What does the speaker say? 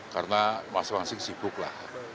karena masing masing sibuk lah